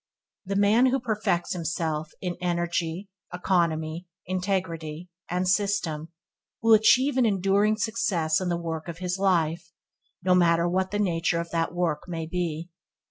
The man who perfects himself in Energy, Economy, Integrity, and System will achieve an enduring success in the work of his life, no matter what the nature of that work may be.